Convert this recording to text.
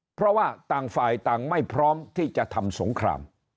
เพราะว่าต่างฝ่ายต่างไม่พร้อมที่จะทำสงคราม